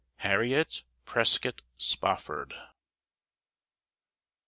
HARRIET PRESCOTT SPOFFORD.